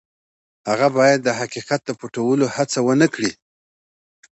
هغه باید د حقیقت د پټولو هڅه ونه کړي.